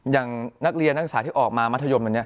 อย่างนักเรียนนักศึกษาที่ออกมามัธยมอันนี้